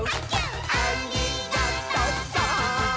「ありがとさーん！」